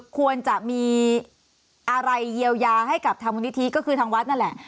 ควรจะมีอะไรเยียวยาให้กับทางมูลนิธิก็คือทางวัดนั่นแหละ